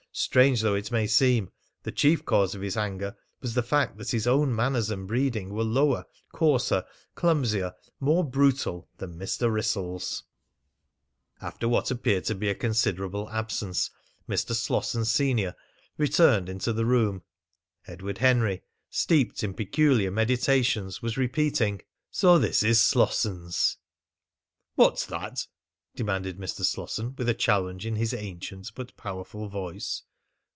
Strange though it may seem, the chief cause of his anger was the fact that his own manners and breeding were lower, coarser, clumsier, more brutal, than Mr. Wrissell's. After what appeared to be a considerable absence Mr. Slosson, senior, returned into the room. Edward Henry, steeped in peculiar meditations, was repeating: "So this is Slosson's!" "What's that?" demanded Mr. Slosson with a challenge in his ancient but powerful voice.